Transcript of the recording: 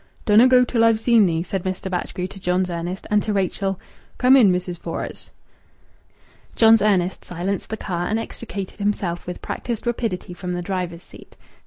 "Dunna go till I've seen thee," said Mr. Batchgrew to John's Ernest, and to Rachel, "Come in, Mrs. Fores." John's Ernest silenced the car, and extricated himself with practised rapidity from the driver's seat.